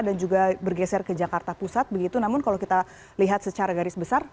dan juga bergeser ke jakarta pusat begitu namun kalau kita lihat secara garis besar